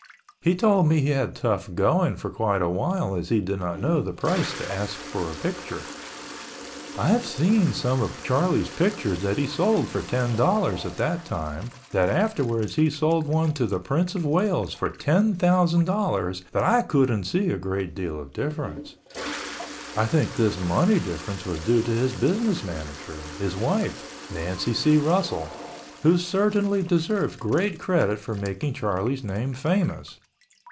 He told me he had tough going for quite awhile as he did not know the price to ask for a picture. I have seen some of Charlie's pictures that he sold for ten dollars at that time, that afterwards he sold one to the Prince of Wales for ten thousand dollars that I couldn't see a great deal of difference. I think this money difference was due to his business manager—his wife, Nancy C. Russell, who certainly deserves great credit for making Charlie's name famous.